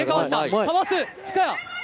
かわす深谷。